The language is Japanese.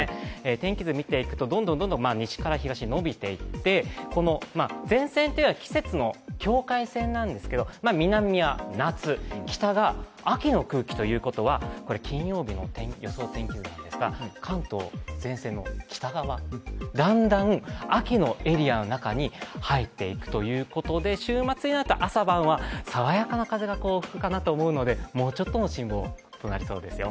天気図見ていくとどんどんどんどん西から東に延びていって前線というのは季節の境界線なんですけど南は夏、北が秋の空気ということは、これ、金曜日の予想天気図なんですが、関東前線の北側、だんだん秋のエリアの中に入っていくということで週末になると、朝晩はさわやかな風が吹くかなと思うのでもうちょっとの辛抱となりそうですよ。